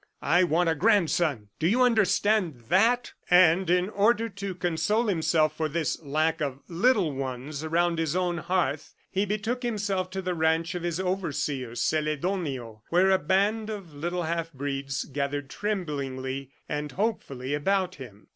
I want a grandson! do you understand THAT?" And in order to console himself for this lack of little ones around his own hearth, he betook himself to the ranch of his overseer, Celedonio, where a band of little half breeds gathered tremblingly and hopefully about him.